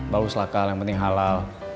baus lah kal yang penting halal